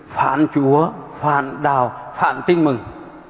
phản chúa phản đạo phản tin mừng